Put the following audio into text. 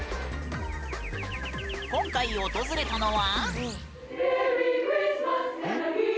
今回、訪れたのは。